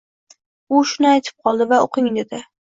U shuni aytib qoldi va o‘qing dedi.